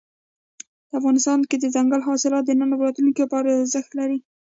افغانستان کې دځنګل حاصلات د نن او راتلونکي لپاره ارزښت لري.